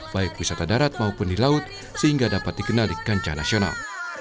baik wisata darat maupun di laut sehingga dapat dikenal di kancah nasional